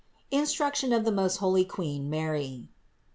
INSTRUCTION OF THE MOST HOLY QUEEN MARY.